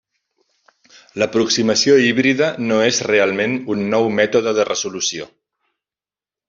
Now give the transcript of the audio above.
L'aproximació híbrida no és realment un nou mètode de resolució.